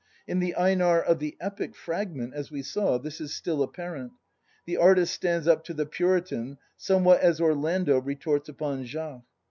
In the Einar of the "Epic" fragment, as we saw, this is still apparent; the artist stands up to the Puritan somewhat as Orlando re torts upon Jacques.